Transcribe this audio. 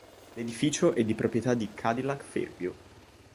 L'edificio è di proprietà di Cadillac Fairview.